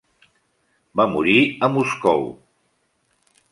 Va morir a Moscou.